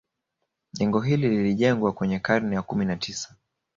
Jengo hili lilijengwa kwenye karne ya kumi na tisa